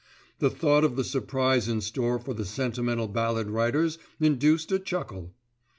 The thought of the surprise in store for the sentimental ballad writers induced a chuckle!